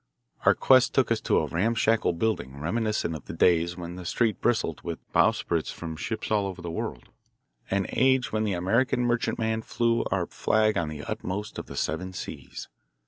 Our quest took us to a ramshackle building reminiscent of the days when the street bristled with bowsprits of ships from all over the world, an age when the American merchantman flew our flag on the uttermost of the seven seas.